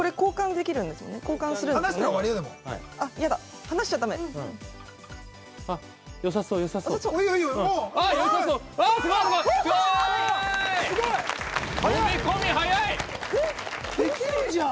できるじゃん！